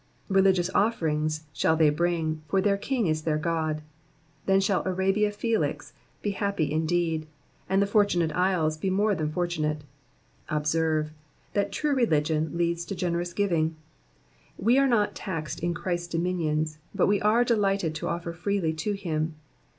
Religious offerings shall they bring, for their King is their God. Then shall Arabia Felix be happy indeed, and the Fortunate Isles be more than fortunate. Observe, that true religion leads to generous giving ; we are not taxed in Christ's dominions, but we are delighted to offer freely to him.